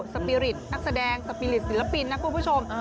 สปีริตนักแสดงสปีริตศิลปินนะคุณผู้ชม